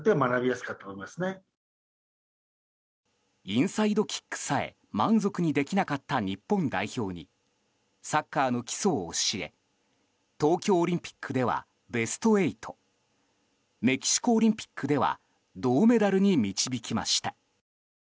インサイドキックさえ満足にできなかった日本代表にサッカーの基礎を教え東京オリンピックではベスト８メキシコオリンピックでは銅メダルに導きました。